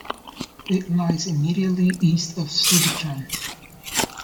It lies immediately east of Sligachan.